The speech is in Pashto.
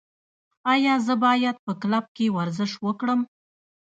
ایا زه باید په کلب کې ورزش وکړم؟